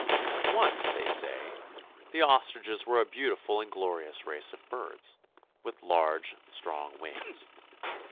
Once, they say, the ostriches were a beautiful and glorious race of birds, with large, strong wings.